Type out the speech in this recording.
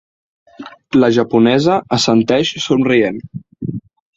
La japonesa assenteix somrient.